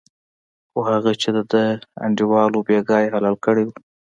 خو هغه چې دده انډیوال و بېګا یې حلال کړی و.